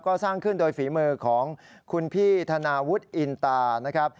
ก็สร้างขึ้นโดยฝีมือของคุณพี่ธนาวุฒิอินตานะครับ